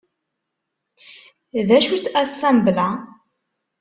D acu-tt Assembla?